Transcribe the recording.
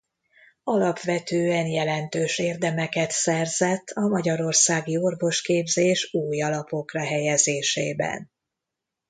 Alapvetően jelentős érdemeket szerzett a magyarországi orvosképzés új alapokra helyezésében.